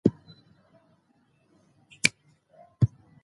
علم انسان ته د تصمیم نیولو قوت ورکوي.